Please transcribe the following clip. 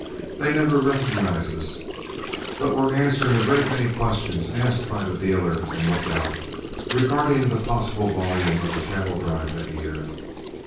They never recognized us, but were answering a great many questions, asked by the dealer and lookout, regarding the possible volume of the cattle drive that year.